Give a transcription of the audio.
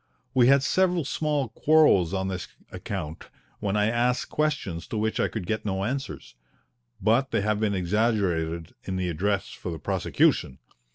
We had several small quarrels on this account, when I asked questions to which I could get no answers, but they have been exaggerated in the address for the prosecution.